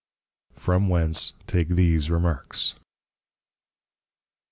_ From whence take these Remarks.